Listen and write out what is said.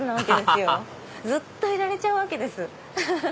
アハハハずっといられちゃうわけです。